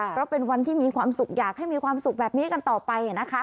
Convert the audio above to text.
เพราะเป็นวันที่มีความสุขอยากให้มีความสุขแบบนี้กันต่อไปนะคะ